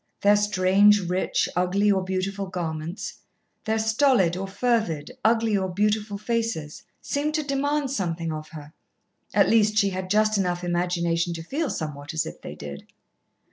Their strange, rich, ugly, or beautiful garments, their stolid or fervid, ugly or beautiful, faces, seemed to demand something of her; at least she had just enough imagination to feel somewhat as if they did.